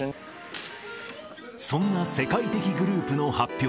そんな世界的グループの発表。